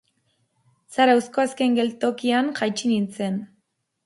Zarauzko azken geltokian jaitsi nintzen.